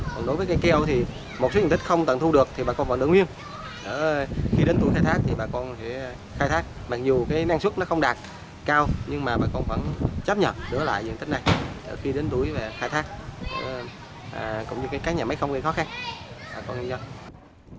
còn đối với cái keo thì một số diện tích không tổng thu được thì bà con còn được nguyên khi đến tuổi khai thác thì bà con có thể khai thác mặc dù cái năng suất nó không đạt cao nhưng mà bà con vẫn chấp nhận đỡ lại diện tích này khi đến tuổi khai thác cũng như cái cái nhà máy không gây khó khăn bà con nghĩ cho